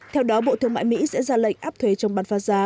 theo đó bộ thương mại mỹ sẽ ra lệnh áp thuế chống bán phá giá